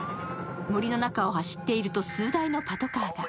森の中を走っていると数台のパトカーが。